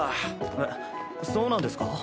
えっそうなんですか？